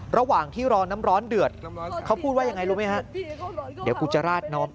ระหว่างที่รอน้ำร้อนเดือดเขาพูดว่าอย่างไรรู้ไหมฮะ